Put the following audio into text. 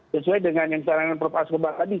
sesuai dengan yang sarankan prof asrobat tadi